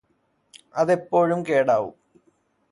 അതെപ്പോഴും കേടാവും